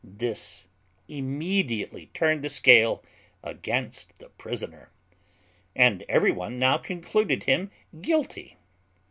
This immediately turned the scale against the prisoner, and every one now concluded him guilty.